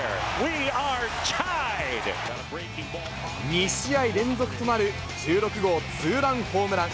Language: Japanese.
２試合連続となる１６号ツーランホームラン。